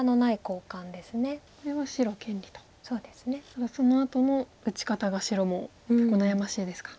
ただそのあとの打ち方が白も結構悩ましいですか。